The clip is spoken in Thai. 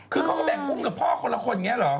คือเค้าก็แบ่งอุ้มกับพ่อคนเนี่ยเหรอ